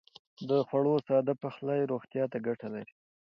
د خوړو ساده پخلی روغتيا ته ګټه لري.